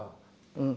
うん。